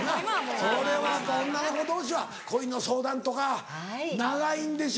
それはやっぱ女の子同士は恋の相談とか長いんでしょ？